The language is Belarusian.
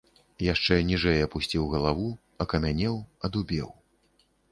Яшчэ ніжэй апусціў галаву, акамянеў, адубеў.